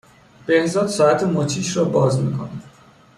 بهزاد ساعت مچیش را باز میکند